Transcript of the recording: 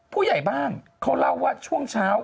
ผู้ใหญ่บ้านเขาเล่าว่าช่วงเช้า